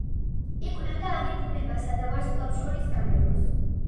იკვლევდა აგებულებასა და ვარსკვლავთშორის გარემოს.